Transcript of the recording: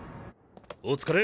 ・お疲れ！